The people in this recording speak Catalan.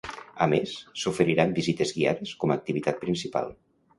A més, s'oferiran visites guiades com a activitat principal.